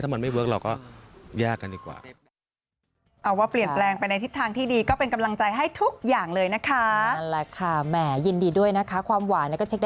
มันไม่เวิร์คเราก็ยากกันดีกว่า